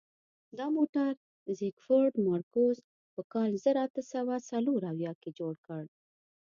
دا موټر زیکفرد مارکوس په کال زر اته سوه څلور اویا کې جوړ کړ.